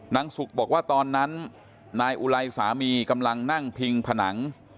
นางสุกบอกว่าตอนนั้นนายอุไลสามีกำลังนั่งพิงผนัง